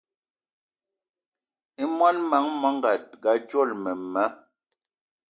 I món menga dzolo mema